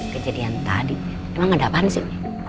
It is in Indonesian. kejadian tadi emang ada apaan sih